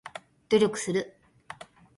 努力する